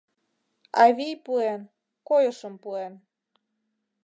Авий пуэн, койышым пуэн